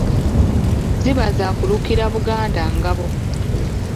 Ziba za kulukira Buganda ngabo.